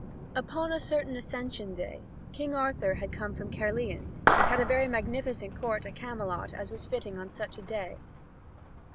(Vv. 31 172.) Upon a certain Ascension Day King Arthur had come from Caerleon, and had held a very magnificent court at Camelot as was fitting on such a day.